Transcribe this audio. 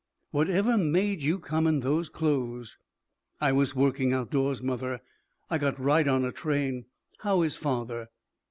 "Whatever made you come in those clothes?" "I was working outdoors, mother. I got right on a train. How is father?"